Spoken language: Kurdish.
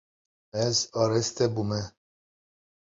Ez araste bûme.